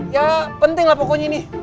ya penting lah pokoknya nih